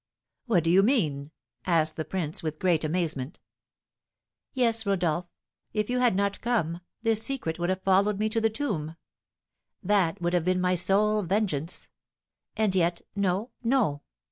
"What do you mean?" asked the prince, with great amazement. "Yes, Rodolph, if you had not come, this secret would have followed me to the tomb! That would have been my sole vengeance. And yet, no, no!